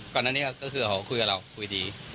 ก่อนหน้านี้ก็คือเขาคุยกับเราคุยดี